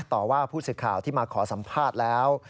ต่อว่าผู้สื่อข่าวที่มาขอสัมภาษณ์แล้ว